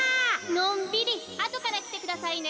のんびりあとからきてくださいね。